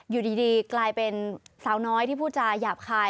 อยู่ดีกลายเป็นสาวน้อยที่พูดจาหยาบคาย